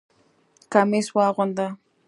کمیس واغونده!